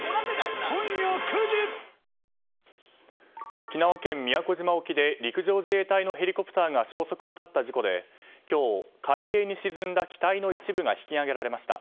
沖縄県宮古島沖で陸上自衛隊のヘリコプターが消息を絶った事故で今日、海底に沈んだ機体の一部が引き上げられました。